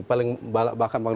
paling bahkan mungkin sekarang